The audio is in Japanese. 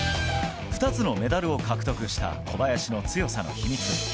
２つのメダルを獲得した小林の強さの秘密。